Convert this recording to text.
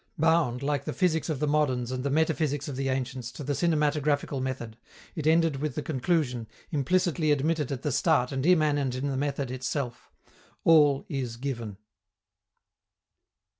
Bound, like the physics of the moderns and the metaphysics of the ancients, to the cinematographical method, it ended with the conclusion, implicitly admitted at the start and immanent in the method itself: _All is given.